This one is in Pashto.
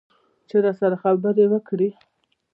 چې راسره خبرې وکړي.